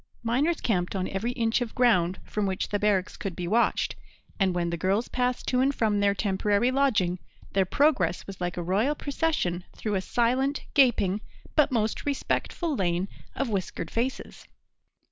Miners camped on every inch of ground from which the barracks could be watched; and when the girls passed to and from their temporary lodging, their progress was like a royal procession through a silent, gaping, but most respectful lane of whiskered faces.